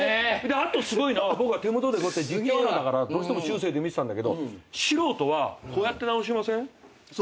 あとすごいのは僕は手元じっと見てたからどうしても習性で見てたんだけど素人はこうやって直しません？